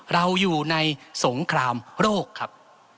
เราอยู่ในสงครามโรคครับ